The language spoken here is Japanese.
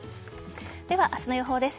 では明日の予報です。